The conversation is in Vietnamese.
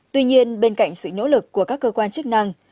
tuy nhiên bên cạnh sự nỗ lực của các cơ quan chức năng